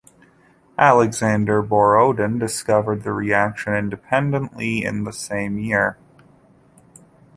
Alexander Borodin discovered the reaction independently in the same year.